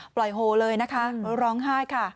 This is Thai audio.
ปล่อยโฮเลยนะคะแล้วร้องไห้ค่ะ